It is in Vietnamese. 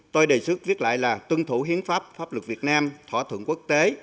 tôi đề xuất viết lại là tuân thủ hiến pháp pháp luật việt nam thỏa thuận quốc tế